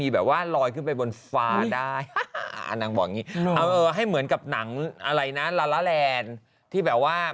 แบบว่าลอยขึ้นไปบนฟ้าได้นางบอกอย่างนี้ให้เหมือนกับหนังอะไรนะลาลาแลนด์ที่แบบว่า